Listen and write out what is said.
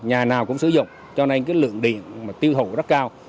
nhà nào cũng sử dụng cho nên lượng điện tiêu thụ rất cao